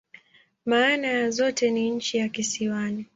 Maana ya zote ni "nchi ya kisiwani.